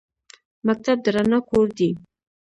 مکتب د رڼا کور دی